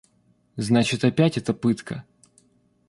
Значит, опять эта пытка!